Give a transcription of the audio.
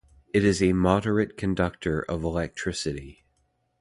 It is a moderate conductor of electricity.